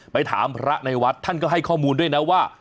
ไปถามพระในวัดท่านก็ให้ข้อมูลด้วยนะว่า